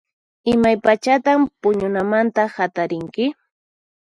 Imaypachatan puñunamanta hatarinki?